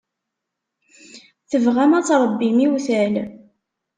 Tebɣam ad tṛebbim iwtal.